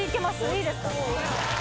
いいですか？